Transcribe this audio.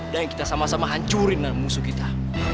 dan kita sama sama hancurin musuh kita